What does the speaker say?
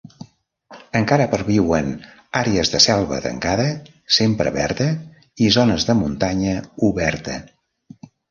Encara perviuen àrees de selva tancada sempre verda, i zones de muntanya oberta.